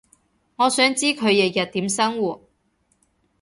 我想知佢日日點生活